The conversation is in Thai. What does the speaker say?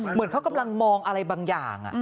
เหมือนเขากำลังมองอะไรบางอย่าง